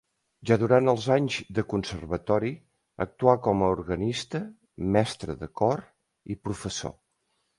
Ja durant els anys de Conservatori actuà com a organista, mestre de cor i professor.